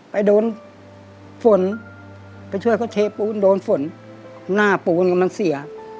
ไปโดนฝนไปช่วยเขาเทปูนโดนฝนหน้าปูนกำลังเสีย